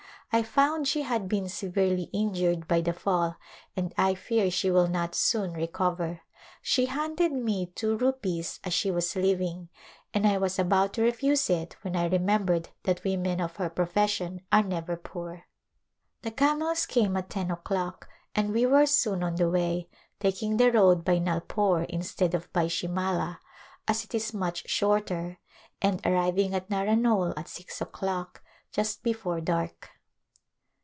I found she had been severely injured by the fall and I fear she will not soon recover. She handed me two rupees as she was leaving and I was about to refuse it when I re membered that women of her profession are never poor. The camels came at ten o'clock and we were soon on the way, taking the road by Nalpore instead of by Shimala as it is much shorter, and arriving at Naranole at six o'clock, just before dark.